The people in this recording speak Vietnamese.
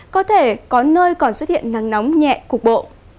có thể có nơi còn xuất hiện nắng nóng nhẹ cục bộ